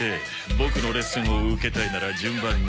ボクのレッスンを受けたいなら順番に。